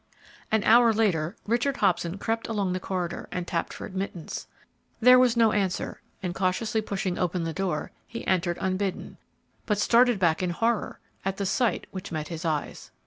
An hour later, Richard Hobson crept along the corridor and tapped for admittance. There was no answer, and cautiously pushing open the door, he entered unbidden, but started back in horror at the sight which met his eyes.